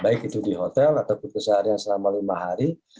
itu di hotel atau berkesaharian selama lima hari